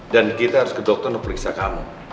dan kita harus ke dokter untuk periksa kamu